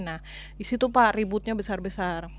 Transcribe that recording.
nah disitu pak ributnya besar besar